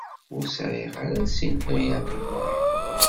Ur sɛiɣ ara s-iniɣ i ɛemmi Muḥ.